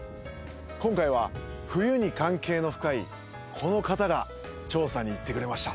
今回は、冬に関係の深いこの方が調査に行ってくれました。